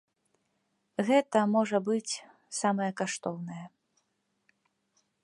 Гэта, можа быць, самае каштоўнае.